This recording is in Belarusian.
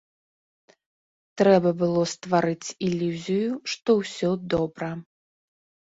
Трэба было стварыць ілюзію, што ўсё добра.